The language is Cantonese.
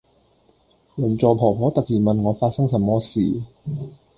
鄰座婆婆突然問我發生什麼事